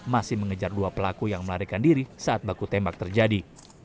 masih mengejar dua pelaku yang melarikan diri saat baku tembak terjadi